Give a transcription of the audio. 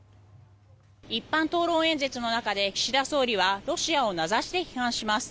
一般討論演説の中で岸田総理はロシアを名指しで批判します。